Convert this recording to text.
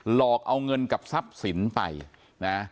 หลอกเอาเงินกับทรัพย์สินไปนะ